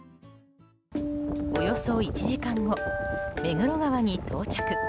およそ１時間後、目黒川に到着。